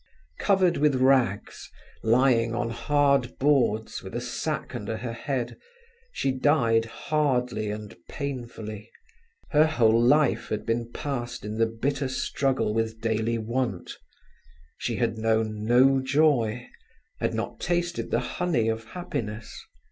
Covered with rags, lying on hard boards, with a sack under her head, she died hardly and painfully. Her whole life had been passed in the bitter struggle with daily want; she had known no joy, had not tasted the honey of happiness.